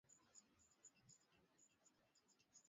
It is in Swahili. Alipata mkataba wa kurekodi duniani na kampuni ya Motown